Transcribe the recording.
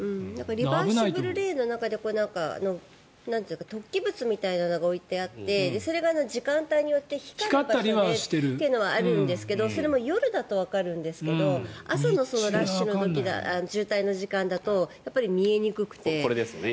リバーシブルレーンの中で突起物みたいなのが置いてあってそれが時間帯によって光ったりしているというのはあるんですがそれも夜だとわかるんですけど朝のラッシュの時渋滞の時間だとこれですよね。